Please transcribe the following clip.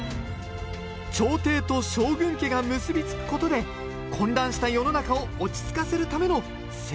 朝廷と将軍家が結び付くことで混乱した世の中を落ち着かせるための政略結婚でした